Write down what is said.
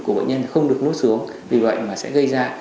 của bệnh nhân không được nốt xuống vì vậy mà sẽ gây ra